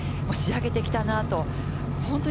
仕上げてきたなと。